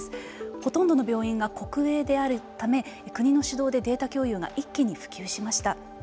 ほとんどの病院が国営であるため国の主導でデータ共有が一気に普及しました。